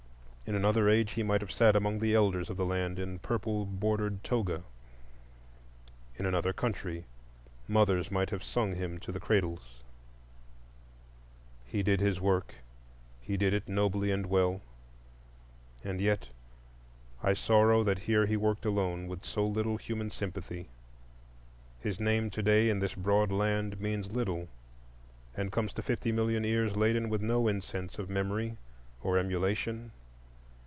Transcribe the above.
In another age he might have sat among the elders of the land in purple bordered toga; in another country mothers might have sung him to the cradles. He did his work,—he did it nobly and well; and yet I sorrow that here he worked alone, with so little human sympathy. His name to day, in this broad land, means little, and comes to fifty million ears laden with no incense of memory or emulation.